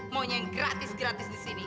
maunya yang gratis gratis di sini